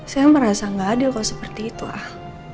saya merasa gak adil kalau seperti itu al